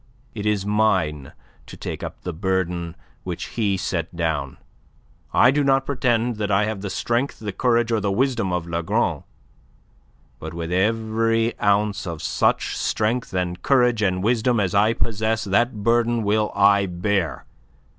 It is mine to take up the burden which he set down. I do not pretend that I have the strength, the courage, or the wisdom of Lagron; but with every ounce of such strength and courage and wisdom as I possess that burden will I bear.